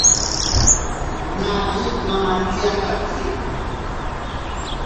Nari nomantsiatatsi.